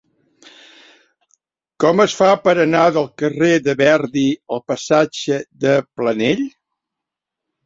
Com es fa per anar del carrer de Verdi al passatge de Planell?